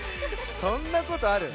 そんなことある？